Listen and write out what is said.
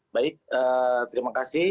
baik terima kasih